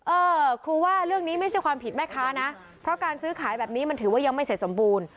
เออครูว่าเรื่องนี้ไม่ใช่ความผิดแม่ค้านะเพราะการซื้อขายแบบนี้มันถือว่ายังไม่เสร็จสมบูรณ์